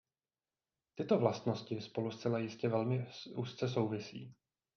Tyto vlastnosti spolu zcela jistě velmi úzce souvisí.